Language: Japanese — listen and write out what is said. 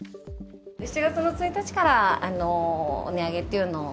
７月の１日から値上げっていうのを。